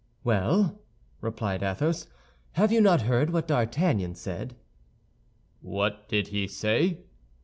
"Well," replied Athos, "have you not heard what D'Artagnan said?" "What did he say?"